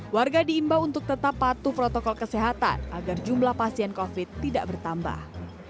warga diimbau untuk tetap patuh protokol kesehatan agar jumlah pasien covid tidak bertambah